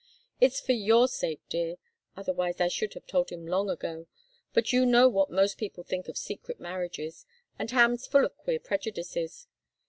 "It's for your sake, dear otherwise, I should have told him long ago. But you know what most people think of secret marriages, and Ham's full of queer prejudices.